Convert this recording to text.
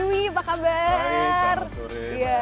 hai selamat sore